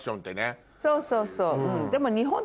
そうそうそうでも。